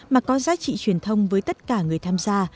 mà có giá trị truyền thông với tất cả người tham gia